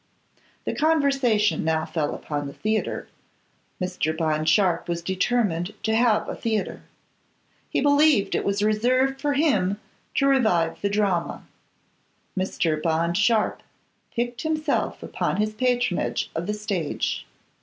The conversation now fell upon the theatre. Mr. Bond Sharpe was determined to have a theatre. He believed it was reserved for him to revive the drama. Mr. Bond Sharpe piqued himself upon his patronage of the stage.